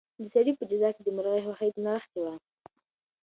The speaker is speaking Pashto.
د سړي په جزا کې د مرغۍ خوښي نغښتې وه.